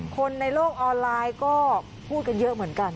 คนในโลกออนไลน์ก็พูดกันเยอะเหมือนกัน